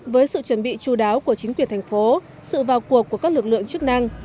với sự chu đáo của chính quyền thành phố sự vào cuộc của các lực lượng chức năng